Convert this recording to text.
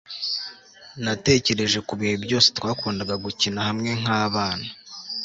natekereje kubihe byose twakundaga gukina hamwe nkabana